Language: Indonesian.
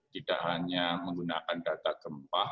tidak hanya menggunakan data gempa